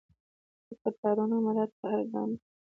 د قطارونو مراعات په هر ګام کې.